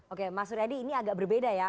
oke mas uri adi ini agak berbeda ya